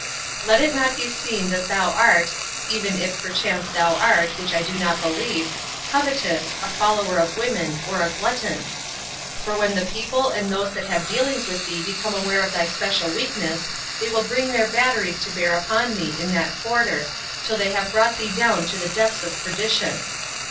Let it not be seen that thou art (even if perchance thou art, which I do not believe) covetous, a follower of women, or a glutton; for when the people and those that have dealings with thee become aware of thy special weakness they will bring their batteries to bear upon thee in that quarter, till they have brought thee down to the depths of perdition.